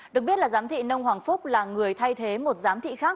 được biết là giám thị nông hoàng phúc là người thay thế một giám thị khác